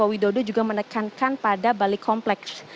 jokowi dodo juga menekankan pada balik kompleks